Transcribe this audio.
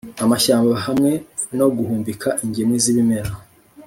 amashyamba hamwe no guhumbika ingemwe z’ibimera